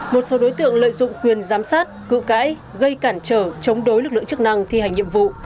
một số đối tượng lợi dụng quyền giám sát cựu cãi gây cản trở chống đối lực lượng chức năng thi hành nhiệm vụ